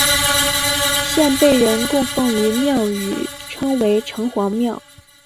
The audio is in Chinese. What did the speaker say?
现被人供奉于庙宇称为城隍庙。